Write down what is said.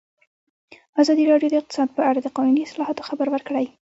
ازادي راډیو د اقتصاد په اړه د قانوني اصلاحاتو خبر ورکړی.